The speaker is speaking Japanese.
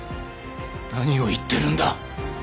何を言ってるんだ。